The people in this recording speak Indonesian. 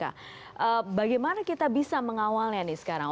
nah bagaimana kita bisa mengawalnya nih sekarang